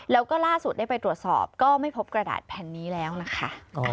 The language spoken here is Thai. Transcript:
แล้วก็ล่าสุดได้ไปตรวจสอบก็ไม่พบกระดาษแผ่นนี้แล้วนะคะ